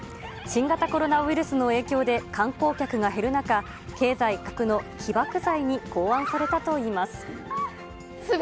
新型コロナウイルスの影響で観光客が減る中、経済回復の起爆剤に考案されたといいます。